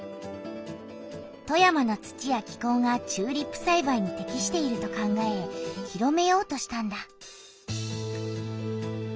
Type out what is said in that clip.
富山の土や気こうがチューリップさいばいにてきしていると考え広めようとしたんだ。